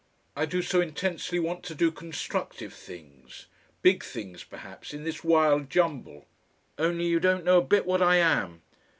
I do so intensely want to do constructive things, big things perhaps, in this wild jumble.... Only you don't know a bit what I am.